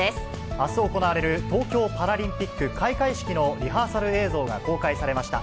あす行われる東京パラリンピック開会式のリハーサル映像が公開されました。